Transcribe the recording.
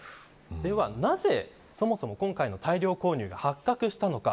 では、なぜそもそも今回の大量購入が発覚したのか。